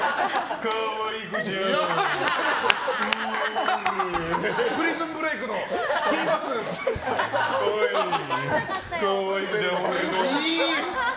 かわいこちゃん！